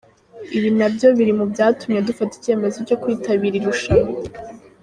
Ibyo nabyo biri mu byatumye dufata icyemezo cyo kwitabira irushanwa.